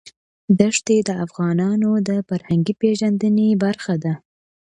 دښتې د افغانانو د فرهنګي پیژندنې برخه ده.